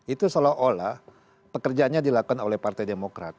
itu seolah olah pekerjaannya dilakukan oleh partai demokrat